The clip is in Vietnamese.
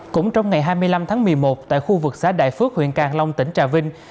cũng trong ngày hai mươi năm tháng một mươi một tại khu vực xã đại phước huyện càng long tỉnh trà vinh